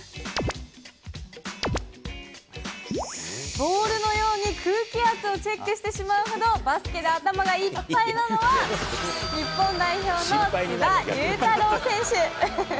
ボールのように空気圧をチェックしてしまうほどバスケで頭がいっ日本代表の須田侑太郎選手。